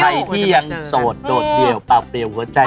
ใครที่ยังโสดโดดเดี่ยวเปล่าเปลี่ยวหัวใจ